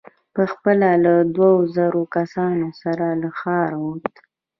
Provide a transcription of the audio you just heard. په خپله له دوو زرو کسانو سره له ښاره ووت.